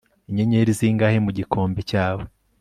inyenyeri zingahe mu gikombe cyawe